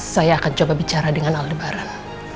saya akan coba bicara dengan aldebaran